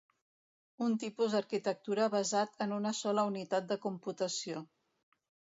Un tipus d'arquitectura basat en una sola unitat de computació.